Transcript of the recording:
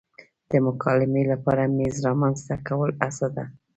د مکالمې لپاره میز رامنځته کول هڅه ده.